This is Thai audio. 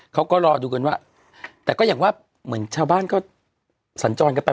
เขาก็รอดูกันว่าแต่ก็อย่างว่าเหมือนชาวบ้านก็สัญจรกันไป